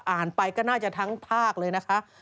อ่านไปก็น่าจะทั้งภาคเลยนะคะ